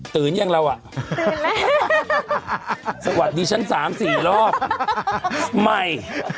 ตื่นยังแล้วอ่ะตื่นไหมสวัสดีชั้นสามสี่รอบไม่